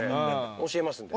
教えますんで。